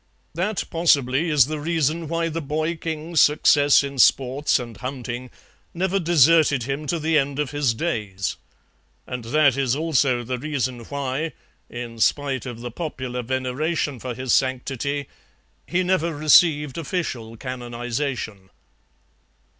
That possibly is the reason why the boy king's success in sports and hunting never deserted him to the end of his days, and that is also the reason why, in spite of the popular veneration for his sanctity, he never received official canonization."